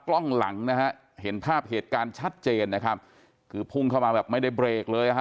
กล้องหลังนะฮะเห็นภาพเหตุการณ์ชัดเจนนะครับคือพุ่งเข้ามาแบบไม่ได้เบรกเลยนะฮะ